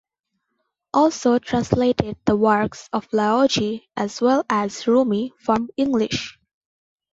Also translated the works of Laozi as well as Rumi from English.